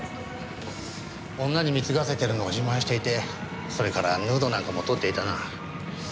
女に貢がせてるのを自慢していてそれからヌードなんかも撮っていたな。